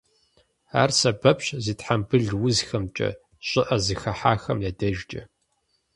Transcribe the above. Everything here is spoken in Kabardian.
Ар сэбэпщ зи тхьэмбыл узхэмкӏэ, щӏыӏэ зыхыхьахэм я дежкӏэ.